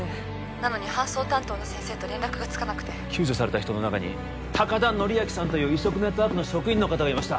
☎なのに搬送担当の先生と連絡がつかなくて救助された人の中に高田憲明さんという移植ネットワークの職員の方がいました